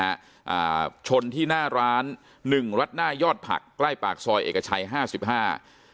อ่าชนที่หน้าร้านหนึ่งรัดหน้ายอดผักใกล้ปากซอยเอกชัยห้าสิบห้า